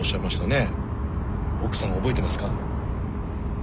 奥さん覚えてますか？